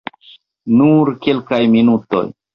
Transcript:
Nur kelkaj minutoj.